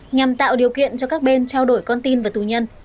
nhằm tạo điều kiện cho các bên trao đổi con tin và tù nhân